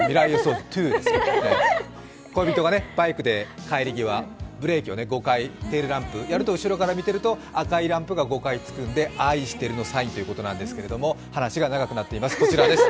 恋人がバイクで帰り際、ブレーキを５回、テールランプ、後ろから見ると赤いランプが５回つくので愛してるのサインなんですが話が長くなっています、こちらです